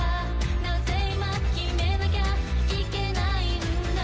なぜ今決めなきゃいけないんだ？